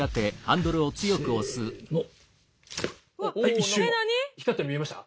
一瞬光ったの見えました？